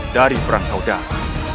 dari perang saudara